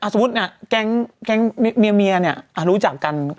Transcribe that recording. สมมุติแกงเมียบ้านมีแม่นี้เรารู้จักกัน